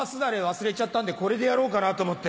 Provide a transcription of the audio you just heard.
忘れちゃったんでこれでやろうかなと思って。